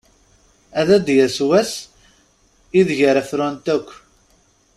Ad d-yas wass ideg ara frunt akk.